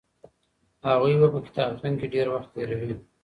هغوی به په کتابتون کي ډیر وخت تېروي.